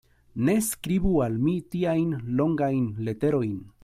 Ne skribu al mi tiajn longajn leterojn.